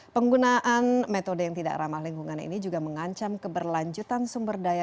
penggunaan metode yang tidak ramah lingkungan ini juga mengancam keberlanjutan sumber daya